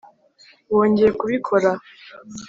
wongeye kubikora